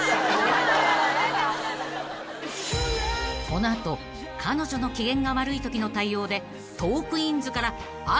［この後彼女の機嫌が悪いときの対応でトークィーンズからアドバイスが］